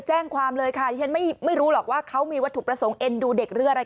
แล้วไปคว้าตัวมาได้เนี่ย